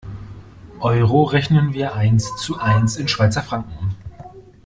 Euro rechnen wir eins zu eins in Schweizer Franken um.